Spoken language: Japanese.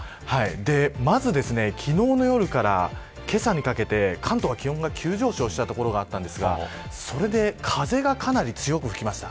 まず、昨日の夜からけさにかけて関東は気温が急上昇した所があったんですがそれで風がかなり強く吹きました。